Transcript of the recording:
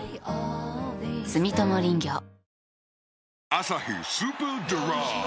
「アサヒスーパードライ」